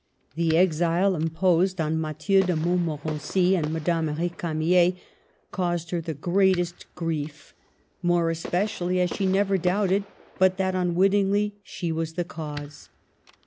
The exile im posed on Mathieu de Montmorency and Madame R6camier caused her the greatest grief, more especially as she never doubted but that unwit tingly she was the cause.